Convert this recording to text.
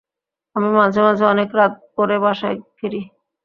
আমি মাঝে-মাঝে অনেক রাত করে বাসায় ফিরি।